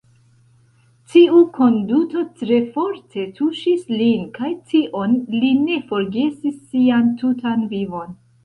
Tiu konduto tre forte tuŝis lin kaj tion li ne forgesis sian tutan vivon.